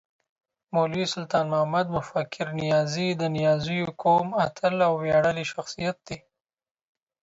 مولوي سلطان محمد مفکر نیازی د نیازيو قوم اتل او وياړلی شخصیت دی